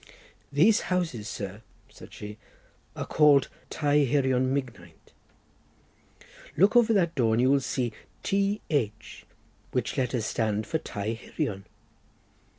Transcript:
"These houses, sir," said she, "are called Tai Hirion Mignaint. Look over that door and you will see T. H., which letters stand for Tai Hirion.